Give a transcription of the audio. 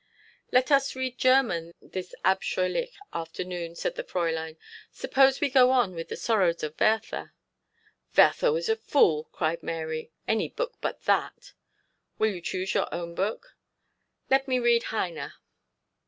'Let us read German this abscheulich afternoon,' said the Fräulein. 'Suppose we go on with the "Sorrows of Werther."' 'Werther was a fool,' cried Mary; 'any book but that.' 'Will you choose your own book?' 'Let me read Heine.'